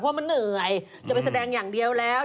เพราะมันเหนื่อยจะไปแสดงอย่างเดียวแล้ว